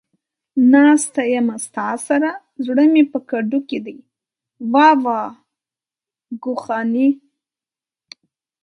ناسته يمه ستا سره ، زړه مې په کندو کې دى ، واوا گوخانې.